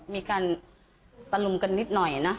ไปตี่ลงกันนิดหน่อยนะ